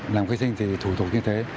làm khai sinh thì thủ tục như thế